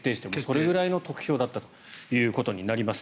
それぐらいの得票だったということになります。